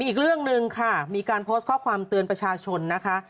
อีกเรื่องหนึ่งค่ะมีการโพสต์ข้อความเตือนประชาชนนะคะ